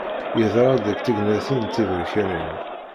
Yeḍra-d deg tegnatin d tiberkanin.